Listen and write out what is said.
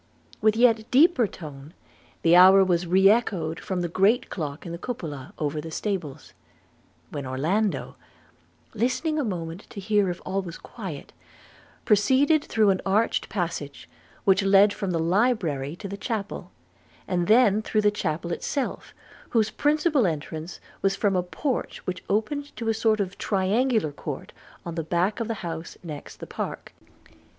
With yet deeper tone the hour was re echoed from the great clock in the cupola over the stables; when Orlando, listening a moment to hear if all was quiet, proceeded through an arched passage which led from the library to the chapel, and then through the chapel itself, whose principal entrance was from a porch which opened to a sort of triangular court on the back of the house next the park.